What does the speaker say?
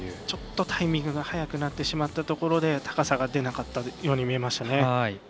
ちょっと、タイミングが早くなってしまったところで高さが出なかったように見えましたね。